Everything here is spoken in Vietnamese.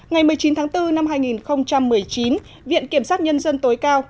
ngày một mươi chín tháng bốn năm hai nghìn một mươi chín viện kiểm sát nhân dân tối cao